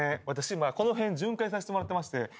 私今この辺巡回させてもらってまして。